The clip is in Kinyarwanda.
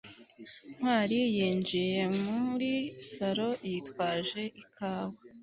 ntwali yinjiye muri salo, yitwaje ikawa